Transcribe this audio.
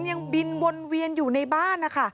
ยังบินวนเวียนอยู่ในบ้านนะคะ